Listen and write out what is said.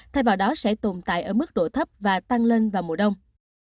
thay vào đó sẽ tồn tại ở mức độ thấp và tăng lên vào mùa đông